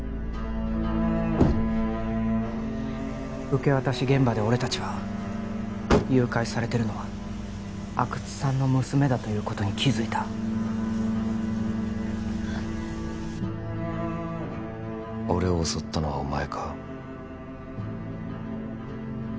受け渡し現場で俺達は誘拐されてるのは阿久津さんの娘だということに気づいた俺を襲ったのはお前か？